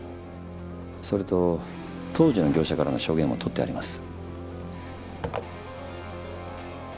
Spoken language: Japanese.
それと当時の業者からの証言も録ってあります。